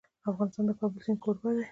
افغانستان د د کابل سیند کوربه دی.